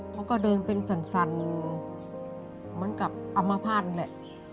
เขาก็เดินเป็นสั่นเหมือนกับอัมพาตนั่นแหละ